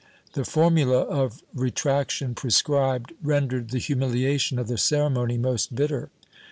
The formula of retraction prescribed rendered the humilia tion of the ceremony most bitter.